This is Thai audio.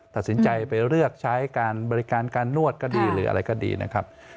ตัดสินใจไปเลือกใช้การบริการการนวดก็ดีหรืออะไรก็ดีนะครับ